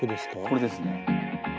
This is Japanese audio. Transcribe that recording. これですね。